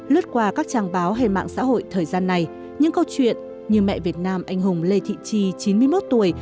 lướt qua các trang báo hay mạng xã hội thời gian này những câu chuyện như mẹ việt nam anh hùng lê thị tri chín mươi một tuổi